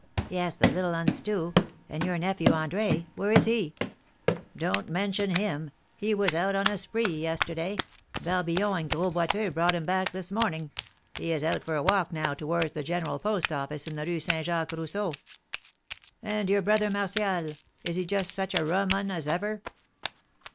"Yes, the little uns, too. And your nephew, André, where is he?" "Don't mention him; he was out on a spree yesterday. Barbillon and Gros Boiteux brought him back this morning. He is out for a walk now towards the General Post office in the Rue St. Jacques Rousseau. And your brother, Martial, is he just such a rum un as ever?"